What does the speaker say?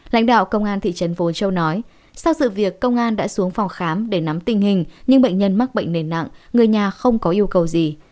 lãnh đạo công an thị trấn vội châu nói sau sự việc công an đã xuống phòng khám để nắm tình hình nhưng bệnh nhân mắc bệnh nền nặng người nhà không có yêu cầu gì